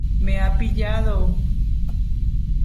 ¡ me ha pillado!